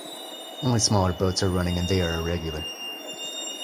Only smaller boats are running and they are irregular.